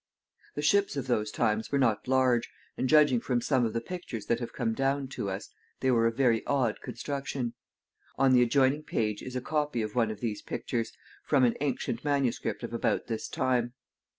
The ships of those times were not large, and, judging from some of the pictures that have come down to us, they were of very odd construction. On the adjoining page is a copy of one of these pictures, from an ancient manuscript of about this time.